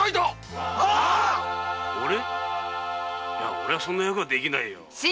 おれはそんな役できないよ。